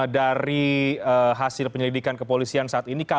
dari hasil penyelidikan kepolisian saat ini